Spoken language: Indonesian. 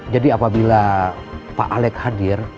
jadi apabila pak alek hadir